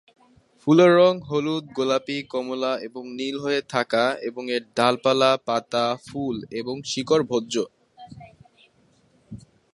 ফুলের রং হলুদ, গোলাপী, কমলা এবং নীল হয়ে থাকা এবং এর ডালপালা, পাতা, ফুল এবং শিকড় ভোজ্য।